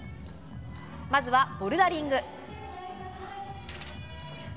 まずはボルダリング。